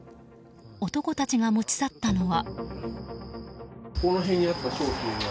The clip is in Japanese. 男たちが持ち去ったのは。